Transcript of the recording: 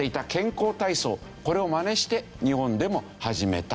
これをマネして日本でも始めた。